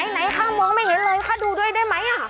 ไหนข้างบนก็ไม่เห็นอะไรว่าข้าดูด้วยได้ไหมนะ